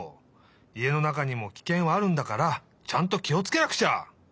家の中にもキケンはあるんだからちゃんときをつけなくちゃ！